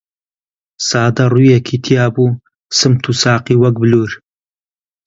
سادە ڕووویەکی تیا بوو، سمت و ساقی وەک بلوور